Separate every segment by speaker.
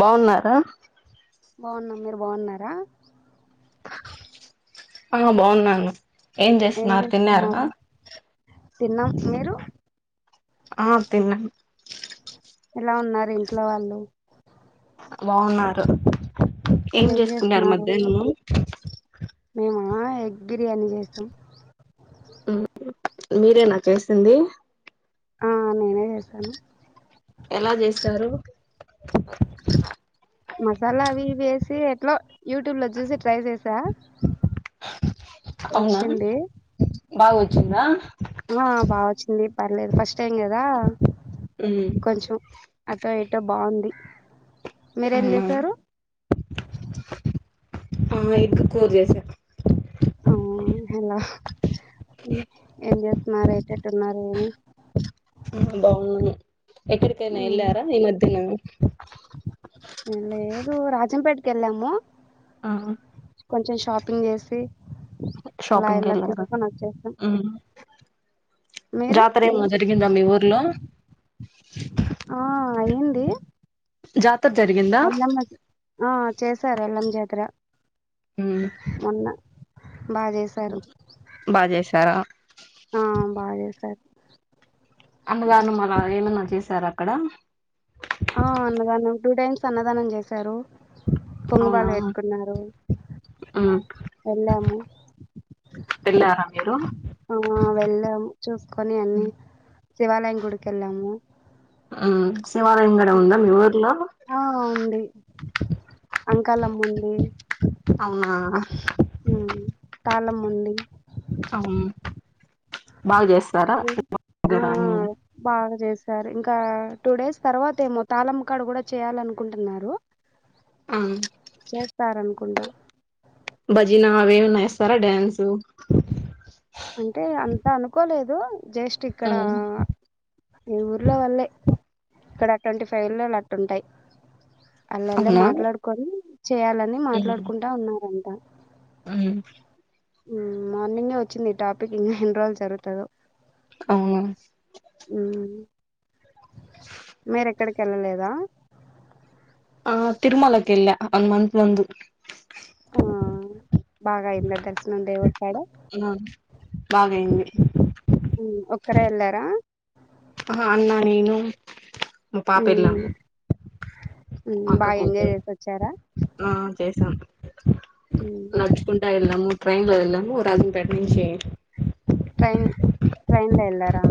Speaker 1: బాగున్నారా
Speaker 2: బాగున్న మీరు బాగున్నారా
Speaker 1: ఆ బాగున్నాను ఏం చేస్తున్నారు తిన్నార
Speaker 2: తిన్నాం మీరు
Speaker 1: ఆ తినం
Speaker 2: ఎలా ఉన్నారు ఇంట్లో వాళ్ళు
Speaker 1: బాగున్నారు ఏం చేసుకున్నారు మధ్యాహ్న
Speaker 2: మేము ఎగ్ బిర్యానీ చేస్తాం
Speaker 1: మీరే నాకేసింది
Speaker 2: ఆ నేనే చేశాను
Speaker 1: ఎలా చేస్తారు
Speaker 2: మసాలా అవి వేసి ఎట్లా యూట్యూబ్ లో చూసి ట్రై చేసా
Speaker 1: అవునా
Speaker 2: వచ్చింది
Speaker 1: బాగుచ్చు
Speaker 2: ఆ బాగా వచ్చింది పర్లేదు ఫస్ట్ టైం కదా
Speaker 1: ఉమ్
Speaker 2: కొంచెం అట ఎటో బాగుంది మీరేం
Speaker 1: అవునా
Speaker 2: చేశారు
Speaker 1: ఆ ఎగ్ కూర చేశా
Speaker 2: ఆ హలో ఏం చేస్తున్నారు ఏటట్టు ఉన్నారు ఏమి
Speaker 1: బాగును ఎక్కడికైనా
Speaker 2: ఉమ్,
Speaker 1: ఎళ్ళారా ఈ మధ్యన
Speaker 2: లేదు రాజంపేటకి వెళ్ళాము
Speaker 1: ఆ
Speaker 2: కొంచెం షాపింగ్ చేసి అలా
Speaker 1: షాపింగ్
Speaker 2: ఇలా
Speaker 1: ఎళార
Speaker 2: తీసుకొని వచ్చేసాం
Speaker 1: ఉ
Speaker 2: మీరు
Speaker 1: జాతర ఏమో జరిగిందా మీ ఊర్లో
Speaker 2: ఆ ఏంది
Speaker 1: జత
Speaker 2: ఎల్లమ్మ ఆ చేశారు ఎల్లం జతర
Speaker 1: ఉ
Speaker 2: బా చేశారు
Speaker 1: చాల అ
Speaker 2: ఆ బా చేసారు
Speaker 1: అన్నదానం అల ఏమన్నా చేసార అక్కడ
Speaker 2: ఆ అన్నదానం టూ టైమ్స్ అన్నదానం చేశారు
Speaker 1: అవునా
Speaker 2: పొంగుపాలు పెట్టుకున్నారు
Speaker 1: మ్మ్
Speaker 2: ఎళ్ళము
Speaker 1: వెళ్ళారా మీరు
Speaker 2: ఆ వెళ్ళాము చూస్కొని అన్ని శివాలయం గుడుకి ఎళ్ళాము
Speaker 1: అ శివాలయం గూడ ఉందా మీఊర్లో
Speaker 2: అంకాలమ్ముంది
Speaker 1: అవునా
Speaker 2: తాళ్ళమ్మ ఉంది
Speaker 1: అవున
Speaker 2: ఆ బాగా చేశారు ఇంకా ఒక టూ డేస్ తర్వాత ఏమో తాళ్ళమ్మ కాడ కూడా చేయాలనుకుంటున్నారు
Speaker 1: మ్మ్
Speaker 2: చేస్తారనుకుంట
Speaker 1: భజీనా అవే ఏమన్న వేస్తారా డ్యాన్సు
Speaker 2: అంటే అంత అనుకోలేదు జస్ట్ ఇక్కడ
Speaker 1: మ్మ్
Speaker 2: ఈ ఊర్లో వాళ్లే ఇక్కడ ట్వంటీ ఫైవ్ విల్లాలు అట్ట ఉంటాయి అల్లల్లే
Speaker 1: అవునా
Speaker 2: మాట్లాడుకొని చేయాలని మాట్లాడుకుంటా ఉన్నారంట
Speaker 1: మ్
Speaker 2: మార్నింగే వచ్చింది ఈ టాపిక్ ఇంకా ఎన్ని రోజులు జరుగుతదో
Speaker 1: అవునా
Speaker 2: మీరెక్కడికి ఎళ్ళలేదా
Speaker 1: ఆ తిరుమలకెళ్ళ వన్ మంత్ ముందు
Speaker 2: ఆ బాగా అయింద దర్శనం దేవుడుకాడ
Speaker 1: ఆ బాగయింది
Speaker 2: మ్ ఒక్కరే ఎళ్ళారా
Speaker 1: ఆ అన్నా నేను పాప ఎలా ఉంది అక్క
Speaker 2: బాగా
Speaker 1: కుతు
Speaker 2: ఎంజాయ్ చేసి వచ్చారా
Speaker 1: ఆ చేసాం
Speaker 2: మ్మ్
Speaker 1: నడుచుకుంటా ఎళ్ళాము ట్రైన్ లో వెళ్ళాము రాజంపేట నుంచి
Speaker 2: ట్రైన్ ట్రైన్ లో వెళ్ళారా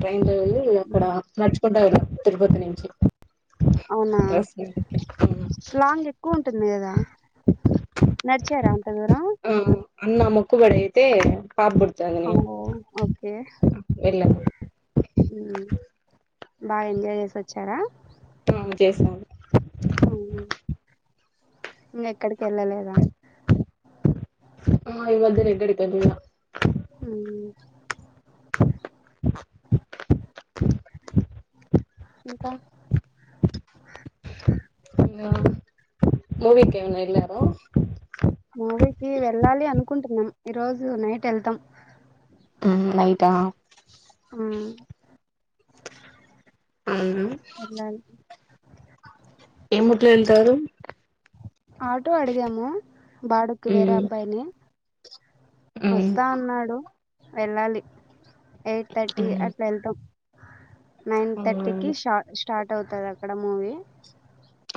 Speaker 1: ట్రైన్లో వెళ్ళి అక్కడ
Speaker 2: ఉమ్
Speaker 1: నడుచుకుంటా వెళ్ళాం తిరుపతి నుంచి
Speaker 2: అవునా
Speaker 1: దస్ మ్
Speaker 2: టు ఉంది గదా
Speaker 1: ఆ అన్నా మొక్కుబడి తే పాప పుడతదని
Speaker 2: ఓ
Speaker 1: వెళ్ళను
Speaker 2: మ్ బాగా ఎంజాయ్ చేసి వచ్చారా
Speaker 1: జేశాము
Speaker 2: అవునా ఎక్కడ
Speaker 1: ఈ మధ్యన ఎక్కడకెళ్ళ
Speaker 2: హ్మ్ [inaudible] ఇంక
Speaker 1: మూవీకి ఎమైనా ఎళ్ళర
Speaker 2: మువీకి వెళ్ళాలి అనుకుంటున్నాం ఈ రోజు నైట్ ఎళ్తాం
Speaker 1: ఉమ్మ్ నైటా
Speaker 2: మ్మ్
Speaker 1: అవునా
Speaker 2: వెళ్లాలి
Speaker 1: ఏముట్లో వెళ్తారు
Speaker 2: ఆటో అడిగాము బాడుకి వేరే
Speaker 1: ఉమ్
Speaker 2: అబ్బాయిని
Speaker 1: ఉమ్
Speaker 2: వస్తా అన్నాడు వెళ్ళాలి ఎయిట్ థర్టీ
Speaker 1: ఉమ్
Speaker 2: అట్లేళ్తాం నైన్
Speaker 1: ఉమ్
Speaker 2: థర్టీకి స్టా స్టార్ట్ అవుతది అక్కడ మూవీ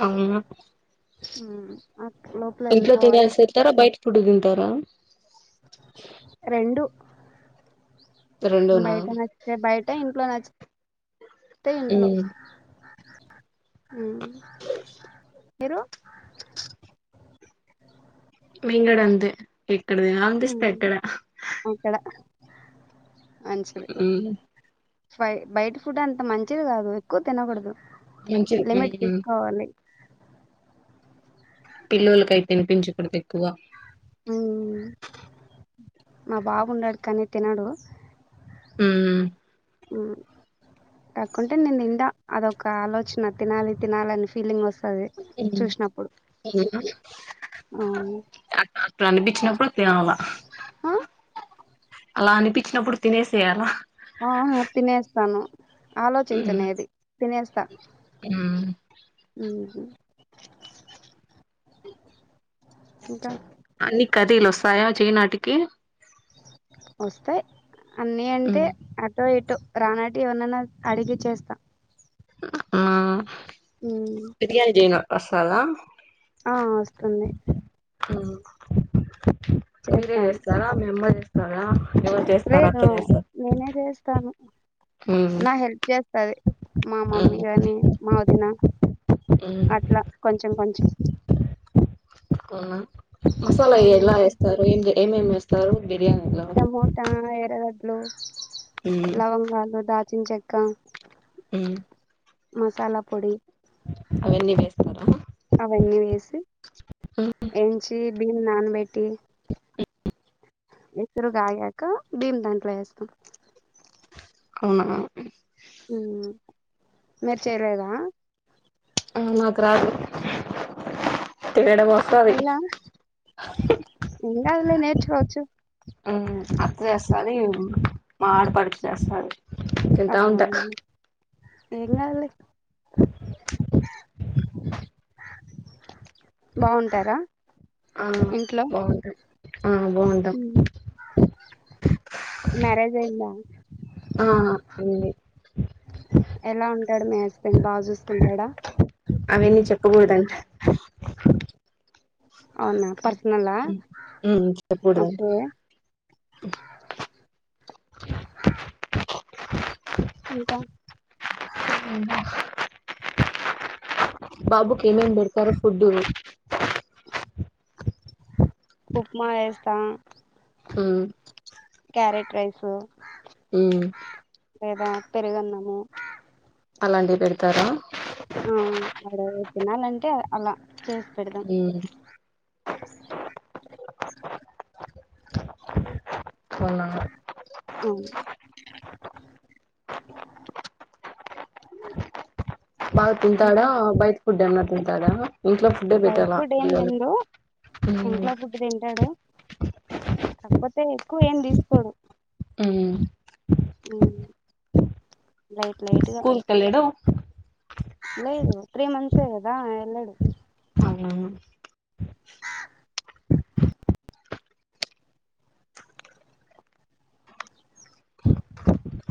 Speaker 1: అవునా
Speaker 2: ఉమ్ లోపల
Speaker 1: ఇంట్లో
Speaker 2: వెళ్ళిపోవాలి
Speaker 1: తినేసి ఎళ్తారా బయట ఫుడ్ తింటారా
Speaker 2: రెండు
Speaker 1: రెండునా
Speaker 2: బయట నచ్చతే బయట ఇంట్లో నచ్చితే ఇంట్లో
Speaker 1: ఉమ్
Speaker 2: ఉమ్మ్ మీరు
Speaker 1: మెంకూడా అంతే ఎక్కడ తినాలి
Speaker 2: ఉమ్
Speaker 1: అనిపిస్తే అక్కడ
Speaker 2: అక్కడ
Speaker 1: ఉమ్మ్
Speaker 2: ఫై బయట ఫుడ్ అంత మంచిది కాదు ఎక్కువ తినకూడదు
Speaker 1: మంచి
Speaker 2: లిమిట్
Speaker 1: ఉమ్
Speaker 2: తీసుకోవాలి
Speaker 1: పిల్లోలకై తినిపించకూడదు ఎక్కువ
Speaker 2: ఉమ్మ్ మాబాబు ఉండాడు కానీ తినడు
Speaker 1: ఉమ్మ్
Speaker 2: ఉమ్మ్ కాకుంటే నేను తింటా అదొక ఆలోచన తినాలి తినాలని ఫీలింగ్ వ స్తాది చూసినప్పుడు ఉమ్మ్
Speaker 1: అ అట్లా అనిపించినప్పుడు తినాల అలా అనిపించినప్పుడు తినేసేయాలా
Speaker 2: ఆ తినేస్తాను
Speaker 1: ఉమ్
Speaker 2: ఆలోచించనేది తినేస్తా
Speaker 1: ఉమ్
Speaker 2: ఉమ్మ్ మ్మ్ ఇంకా
Speaker 1: టిలు వస్తాయా చేనాటికి
Speaker 2: వస్తాయి అన్నీ అంటే
Speaker 1: ఉమ్
Speaker 2: అటో ఇ టో రానాటివి ఎవనైనా అడిగి చేస్తా
Speaker 1: అమ
Speaker 2: ఉమ్,
Speaker 1: బిర్యానీ చెయాను వస్తాదా
Speaker 2: ఆ వస్తుంది
Speaker 1: ఉమ్మ్ మీరే
Speaker 2: చేస్తాను
Speaker 1: చేస్తారా మీ అమ్మ చేస్తారా ఎవరు చేస్తారు అత్త
Speaker 2: లేదు
Speaker 1: చేస్తారా
Speaker 2: నేనే చేస్తాను
Speaker 1: ఉమ్
Speaker 2: నా హెల్ప్ చేస్తాది మా
Speaker 1: ఉమ్
Speaker 2: మమ్మీ గాని మావదిన
Speaker 1: ఉమ్
Speaker 2: అట్లా కొంచెం కొంచెం
Speaker 1: అవునా మసాలా
Speaker 2: ఆ
Speaker 1: ఎలా ఎస్తారు ఏం ఏమేమి చేస్తారు
Speaker 2: టమోటా ఎర్రగడ్లు
Speaker 1: ఉమ్
Speaker 2: లవంగాలు దా ల్చిన చెక్క
Speaker 1: ఉమ్మ్
Speaker 2: మసాలా పొడి
Speaker 1: అవన్నీ వేస్తారా
Speaker 2: అవన్నీ వేసి ఎంచి బియ్యం నానబెట్టి ఎసురు గాగాక బియ్యం దాంట్లో వేస్తాం
Speaker 1: కౌన అన్న ప్లీస్ [unintelligible]
Speaker 2: ఉమ్మ్ మరి చేయలేదా
Speaker 1: అమ్మో నాకు రాదు తినడమొస్తది
Speaker 2: ఎలా ఏం కాదులె నేర్చుకోవచ్చు
Speaker 1: ఉమ్ అత్త చెస్తాది
Speaker 2: ఉమ్.
Speaker 1: మా ఆడపడుచు చేస్తారు
Speaker 2: ఆ ఏం కాదులె బాగుంటార
Speaker 1: అవును బాగుంటయ్ ఆ బాగుంటం
Speaker 2: హ్మ్. మ్యారేజ్ అయిందా?
Speaker 1: అవును అండి
Speaker 2: ఎలా ఉంటాడు మీ హస్బెండ్ బాగ చూసుకుంటాడ
Speaker 1: అవన్నీ చెప్పకూడదంట
Speaker 2: అవునా పర్సనలా
Speaker 1: ఉమ్ ఉమ్ చెప్పకూడదంట
Speaker 2: ఓకే
Speaker 1: హ్మ్
Speaker 2: ఇంకా
Speaker 1: బాబుకి ఏమేం ఏం బెడతారు ఫుడ్డు
Speaker 2: ఉప్మా చేస్తా
Speaker 1: ఉమ్
Speaker 2: సో
Speaker 1: ఊమ్
Speaker 2: లేదా పెరుగన్నము
Speaker 1: అలాంటివి పెడతార
Speaker 2: ఆ వాడు తినాలంటె అల చేసి పెడతం
Speaker 1: ఉమ్ హలో
Speaker 2: అవును.
Speaker 1: బాగ తింటాడ
Speaker 2: ఇంకా
Speaker 1: బయట ఫుడ్ అన్న తింటాడ ఇంట్లో ఫుడ్డే
Speaker 2: బయట
Speaker 1: పెట్టాల
Speaker 2: ఫుడ్ ఏం
Speaker 1: పిల్లలకి
Speaker 2: తిండు
Speaker 1: ఉమ్
Speaker 2: ఇంట్లో ఫుడ్డు తింటాడు కాకపోతే ఎక్కువేం తీసుకోడు
Speaker 1: ఉమ్ మ్మ్
Speaker 2: తినపేట్ [inaudible]
Speaker 1: స్కూల్ కెల్లడ
Speaker 2: లేదు త్రీ మంత్స్ ఏ కదా ఎల్లడు
Speaker 1: అవునా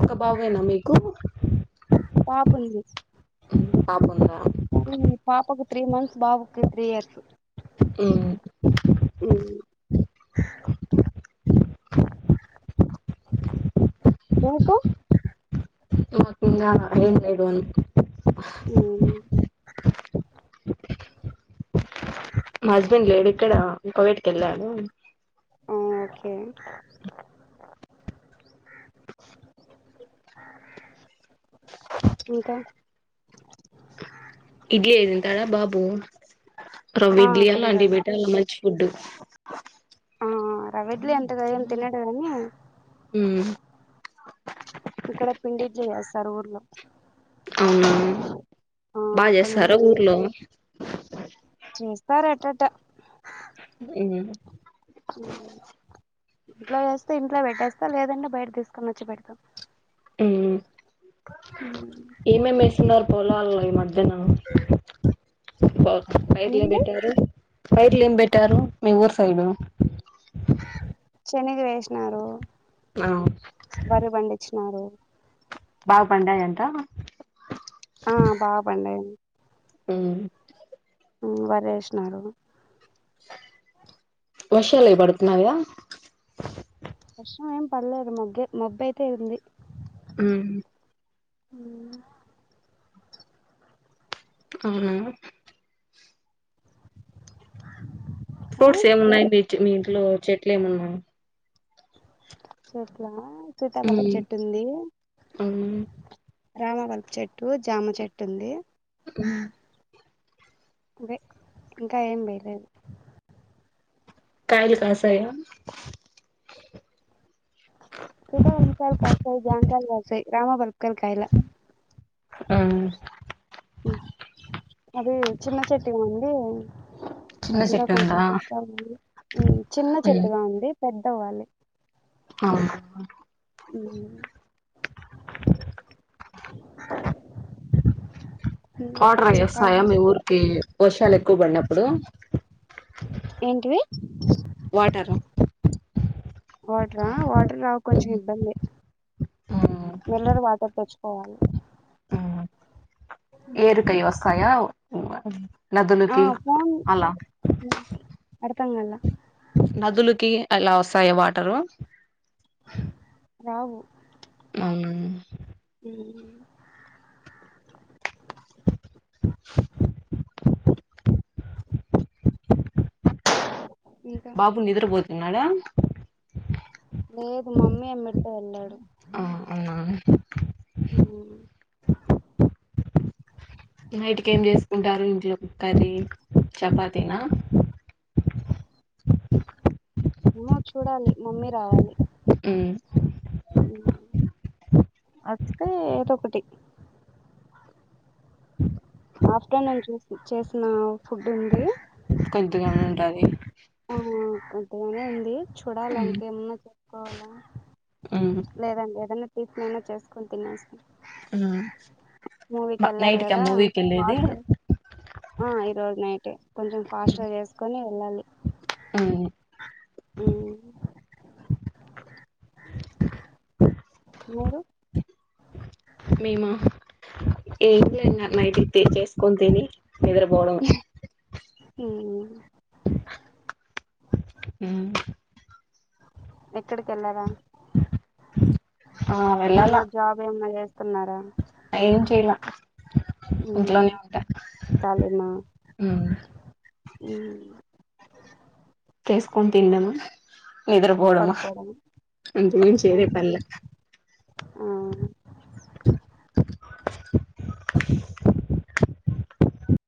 Speaker 1: ఒక బాబేనా మీకు
Speaker 2: పాపుంది
Speaker 1: పాప ఉందా
Speaker 2: మరి పాపకు త్రీ మంత్స్ బాబుకి త్రీ ఇయర్స్
Speaker 1: ఉమ్
Speaker 2: ఉమ్ మీకు
Speaker 1: [inaudible] ఏమో పిల్లాన ఏం లేడు మీకు
Speaker 2: ఊమ్
Speaker 1: మా హస్బెండ్ లేడు ఇక్కడ కువైట్ కెళ్ళాడు
Speaker 2: ఆ ఓకే ఇంకా
Speaker 1: ఇడ్లీ అయిదు తింటాడ బాబు రవ్వ
Speaker 2: ఆ
Speaker 1: ఇడ్లీ అలా అండి
Speaker 2: తింటాడు
Speaker 1: బెట్టాల మంచి గుడ్డు
Speaker 2: ఆ రవ్వ ఇడ్లీ అంత గా ఏమ్ తినడు గాని
Speaker 1: ఉం
Speaker 2: ఇక్కడ పిండి ఇడ్లీ వేస్తారు వుర్లో
Speaker 1: అవునా బాగ
Speaker 2: అక్కడ నుండి
Speaker 1: చేస్తారా
Speaker 2: చేస్
Speaker 1: ఊర్లో
Speaker 2: సారి అట్ట అట్ట
Speaker 1: ఉం
Speaker 2: ఉం ఇంట్లో చేస్తే ఇంట్లో పెట్టేస్తా లేదంటే బయట తీసుకొని వచ్చి పెడతా
Speaker 1: ఉం ఏమేమి వేస్ న్నారు పోలాల్ల ఈ మధ్య్న [unintelligible] పైట్
Speaker 2: ఏంది
Speaker 1: పెట్టారు పైర్లు ఏం పెట్టారు మీ ఊరు సైడ్
Speaker 2: చనగ వేసినారు
Speaker 1: ఆ,
Speaker 2: వరి పండిచినారు
Speaker 1: బాగ పండాయ అంట
Speaker 2: ఆ బాగా పండాయి
Speaker 1: ఉం
Speaker 2: ఉం వరి వేసినారు
Speaker 1: వర్షాలు అవి పడుతున్నాయా
Speaker 2: వర్షం ఏం పడలేదు మొగ్గే మబ్బ అయితే ఉంది
Speaker 1: ఉం
Speaker 2: అ [inaudible]
Speaker 1: అవునా
Speaker 2: ఆ
Speaker 1: ఫ్రూట్స్ ఏమిన్నాయి మీ మీ ఇంట్లో చెట్లు ఏమిన్నాయి
Speaker 2: చెట్ల సీతాపలపు చెట్టు ఉంది
Speaker 1: మ్మ్
Speaker 2: రామపలుపు చెట్టు జామ చెట్టు ఉంది
Speaker 1: ఉం
Speaker 2: ఇంకా ఏం వేయలేదు
Speaker 1: కాయలు కాసాయ
Speaker 2: సీతా పలపు కాయలు కాసాయి జామ కాయలు కాసాయి రామపలపు కాయలు కాయలా
Speaker 1: ఉం
Speaker 2: అది చిన్న చెట్టుగా అండి
Speaker 1: చిన్న
Speaker 2: ఇంకా
Speaker 1: చెట్టు
Speaker 2: కొంచెం
Speaker 1: ఉందా
Speaker 2: పెద్ద అవ్వాలి ఉం చిన్న చెట్టుగా ఉంది పెద్ద అవ్వాలి
Speaker 1: అవునా
Speaker 2: ఉం
Speaker 1: వాటర్ అయ్యి వస్తాయా
Speaker 2: చెప్పాలి
Speaker 1: మీ ఊరికి వర్షాలు ఎక్కువ పడినప్పుడు
Speaker 2: అ
Speaker 1: వాటరు
Speaker 2: వాటరా వాటర్ రావు కొంచెం ఇబ్బందే
Speaker 1: మ్మ్
Speaker 2: మిల్లరు వాటర్ తెచ్చుకోవాలి
Speaker 1: ఏరుకై వస్తాయా
Speaker 2: ఆ
Speaker 1: నదులకి
Speaker 2: పోన్
Speaker 1: అలా
Speaker 2: అర్ధం కాల
Speaker 1: నదులకి అలా వస్తాయ వాటరు
Speaker 2: రావు
Speaker 1: ఉం
Speaker 2: ఉం ఇంకా
Speaker 1: బాబు నిద్రపోతున్నాడ
Speaker 2: లేదు మమ్మీ [unintelligible] వెళ్ళాడు
Speaker 1: ఆ అవునా
Speaker 2: అ
Speaker 1: నైట్కి ఏం చేసుకుంటారు ఇంట్లో కర్రీ చపాతి న [inaudible]
Speaker 2: ఏమో చూడాలి మమ్మీ రావాలి
Speaker 1: ఉ
Speaker 2: అచ్చితే ఏదో ఒకటి ఆఫ్టర్నూన్ చూసి చేసిన ఫుడ్ ఉంది
Speaker 1: కొద్దిగానే ఉంటది
Speaker 2: ఆ అంతగానే ఉంది చూడాలి ఇంకేమన్నా తెసుకోవాల
Speaker 1: ఉమ్
Speaker 2: లేదండి ఏదైన [unintelligible] చేసుకొని తినను సార్ మూవీ కి ఏళ్ళలి
Speaker 1: నైట్కి ఆ
Speaker 2: కదా
Speaker 1: మూవీకి వెళ్ళేది
Speaker 2: ఆ ఈ రోజునైటు కొంచెం ఫాస్ట్గా చేసుకుని వెళ్ళాలి
Speaker 1: హు
Speaker 2: ఉ మీరు
Speaker 1: మేమ ఏం లే నైట్ చేసుకొని తిని నిద్రపోడం
Speaker 2: హు
Speaker 1: హు
Speaker 2: ఎక్కడికి వెళ్ళార
Speaker 1: ఆ
Speaker 2: ఎన్న
Speaker 1: వెళ్ళాలా
Speaker 2: జాబ్ ఏమన్నా చేస్తున్నార
Speaker 1: ఏం చేయ్ లే
Speaker 2: తాలే మ
Speaker 1: ఉమ్ చేసుకొని తిన్నాము నిద్ర పోవడం
Speaker 2: పడుకోవడం
Speaker 1: అంతకి మించి వేరే పని లే
Speaker 2: ఆ
Speaker 1: [inaudible]